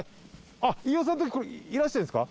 あっ飯尾さんときいらしてるんですか？